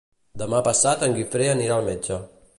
Demà passat en Guifré anirà al metge.